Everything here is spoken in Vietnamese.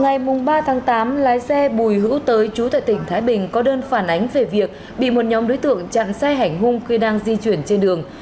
ngày ba tháng tám lái xe bùi hữu tới chú tại tỉnh thái bình có đơn phản ánh về việc bị một nhóm đối tượng chặn xe hành hung khi đang di chuyển trên đường